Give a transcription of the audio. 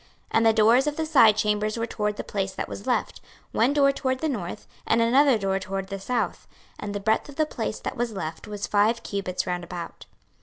26:041:011 And the doors of the side chambers were toward the place that was left, one door toward the north, and another door toward the south: and the breadth of the place that was left was five cubits round about.